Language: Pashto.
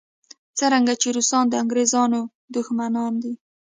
څرنګه چې روسان د انګریزانو دښمنان دي.